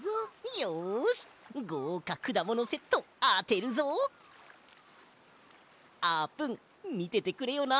よしごうかくだものセットあてるぞ！あーぷんみててくれよな！